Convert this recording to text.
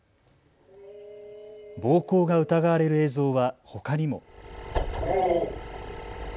暴行が疑われる映像はほかにも。